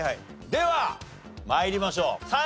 では参りましょう。